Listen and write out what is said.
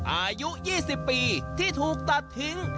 อายุ๒๐ปีที่ถูกตัดทิ้ง